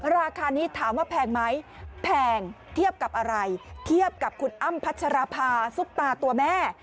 ราคานี้ถามว่าแพงไหมแพงเทียบกับอะไรเทียบกับคุณอ้ำพัชรภาซุปตาตัวแม่